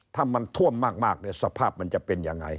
ถ้ามันท่วมมากเนี่ยสภาพมันจะเป็นยังไง